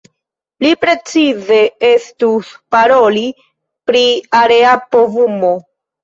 Pli precize estus paroli pri area povumo.